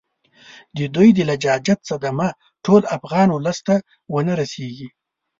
د دوی د لجاجت صدمه ټول افغان اولس ته ونه رسیږي.